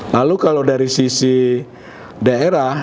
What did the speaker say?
lalu kalau dari sisi daerah